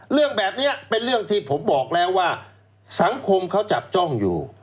เรื่องแบบนี้เป็นเรื่องที่ผมบอกแล้วว่าสังคมเขาจับจ้องอยู่